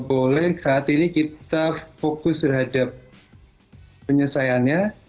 boleh saat ini kita fokus terhadap penyelesaiannya